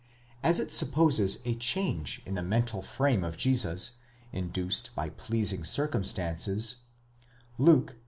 As it supposes a change in the mental frame of Jesus, induced by pleasing circumstances, Luke (x.